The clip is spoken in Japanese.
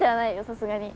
さすがに。